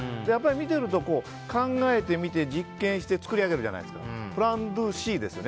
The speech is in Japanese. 見ていると、考えてみて実験して作り上げるじゃないですか。